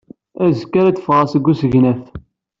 Azekka ara d-ffɣeɣ seg usegnaf.